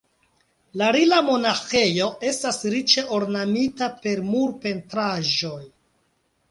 La Rila-monaĥejo estas riĉe ornamita per murpentraĵoj.